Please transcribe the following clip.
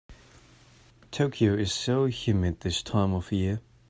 Tokyo is so humid this time of year.